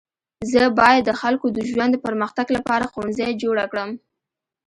زه باید د خلکو د ژوند د پرمختګ لپاره ښوونځی جوړه کړم.